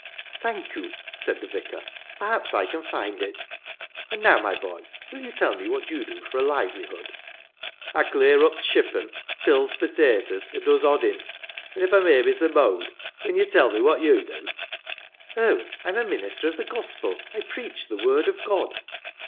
" Thank you," said the vicar ;" perhaps I can find it. And now, my boy, will you tell me what you do for a livelihood ?" "I clear up th' shippon, pills potatoes, or does oddin ; and if I may be so bou d, win yo' tell me what yo* do ?"" Oh, I am a minister of the Gospel ; I preach the Word of God."